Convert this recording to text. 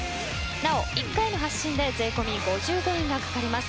なお、１回の発信で税込み５５円がかかります。